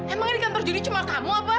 emangnya di kantor judi cuma kamu apa